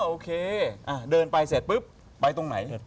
โอเคเดินไปเสร็จปุ๊บไปตรงไหน